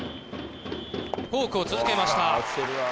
フォークを続けました。